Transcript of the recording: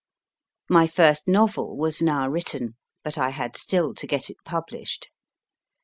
My first novel was now written, but I had still to get it published.